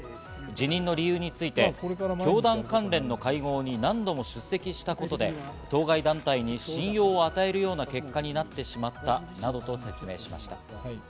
辞任の理由について教団関連の会合に何度も出席したことで、当該団体に信用を与えるような結果になってしまったなどと説明しました。